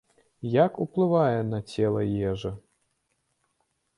Як уплывае на цела ежа?